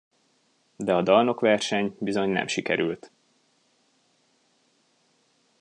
De a dalnokverseny bizony nem sikerült.